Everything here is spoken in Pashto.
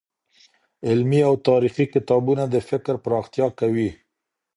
علمي او تاريخي کتابونه د فکر پراختيا کوي.